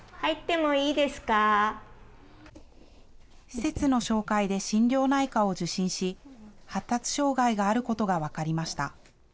施設の紹介で心療内科を受診し、発達障害があることが分かりました。